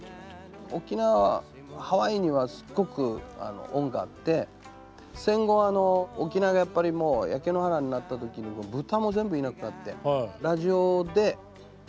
沖縄はハワイにはすっごく恩があって戦後あの沖縄がやっぱりもう焼け野原になった時に豚も全部いなくなってラジオで呼びかけてラジオ番組で。